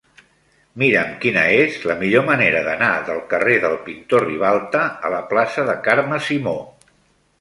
Mira'm quina és la millor manera d'anar del carrer del Pintor Ribalta a la plaça de Carme Simó.